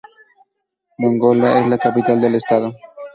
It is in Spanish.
Dongola es la capital del estado.